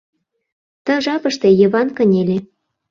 Ты жапыште Йыван кынеле.